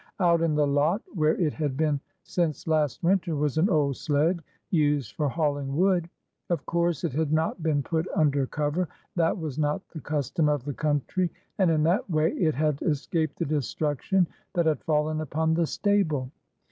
Out in the lot, where it had been since last winter, was an old sled used for hauling wood. Of course it had not been put under cover,— that was not the custom of the country, — and in that way it had escaped the destruction that had fallen upon the stable.